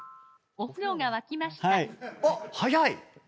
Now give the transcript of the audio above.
お風呂が沸きました。